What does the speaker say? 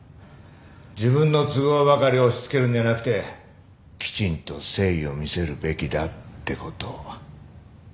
自分の都合ばかり押し付けるんじゃなくてきちんと誠意を見せるべきだってことを。